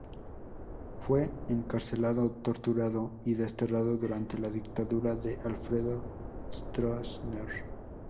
Fue encarcelado, torturado y desterrado durante la dictadura de Alfredo Stroessner.